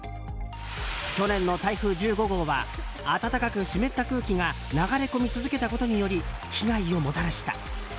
去年の台風１５号は暖かく湿った空気が流れ込み続けたことにより被害をもたらした。